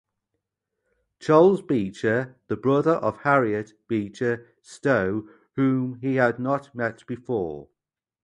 Charles Beecher, the brother of Harriet Beecher Stowe whom he had not met before.